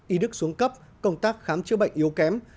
y đức xuống cấp công tác khám chữa bệnh yếu kém